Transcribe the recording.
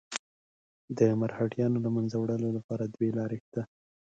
د مرهټیانو له منځه وړلو لپاره دوې لارې شته.